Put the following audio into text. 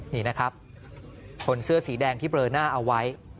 นี่นะครับคนเสื้อสีแดงที่เบลอหน้าเอาไว้